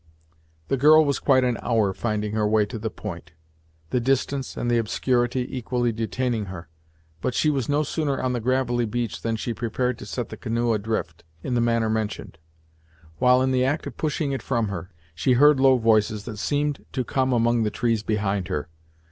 The girl was quite an hour finding her way to the point, the distance and the obscurity equally detaining her, but she was no sooner on the gravelly beach than she prepared to set the canoe adrift, in the manner mentioned. While in the act of pushing it from her, she heard low voices that seemed to come among the trees behind her.